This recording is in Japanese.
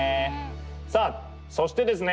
さぁそしてですね